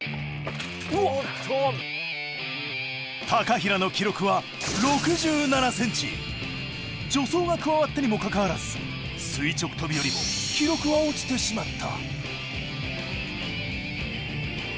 平の記録は助走が加わったにもかかわらず垂直跳びよりも記録は落ちてしまった。